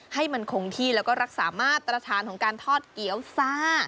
ให้มันคงที่แล้วก็รักษามาตรฐานของการทอดเกี๊ยวซ่า